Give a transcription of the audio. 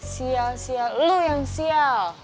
sial sial lo yang sial